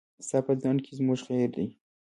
ستا په ځنډ کې زموږ خير دی.